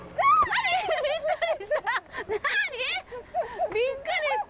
何⁉びっくりした！